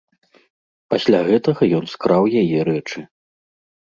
Пасля гэтага ён скраў яе рэчы.